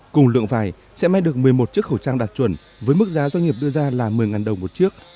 cùng lượng vải sẽ may được một mươi một chiếc khẩu trang đạt chuẩn với mức giá doanh nghiệp đưa ra là một mươi đồng một chiếc